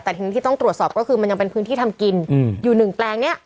แต่ทีนี้ที่ต้องตรวจสอบก็คือมันยังเป็นพื้นที่ทำกินอยู่หนึ่งแปลงนี้